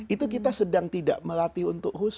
itu kita sedang tidak melatih untuk khusus